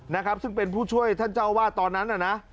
นะครับซึ่งเป็นผู้ช่วยท่านเจ้าวาดตอนนั้นน่ะนะ